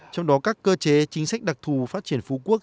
trong đó các cơ chế chính sách đặc thù phát triển phú quốc